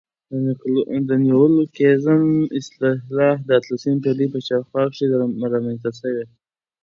د نیولوګیزم اصطلاح د اتلسمي پېړۍ په شاوخوا کښي رامنځ ته سوه.